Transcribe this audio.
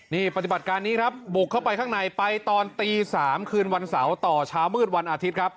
นี่ปฏิบัติการนี้ครับบุกเข้าไปข้างในไปตอนตี๓คืนวันเสาร์ต่อเช้ามืดวันอาทิตย์ครับ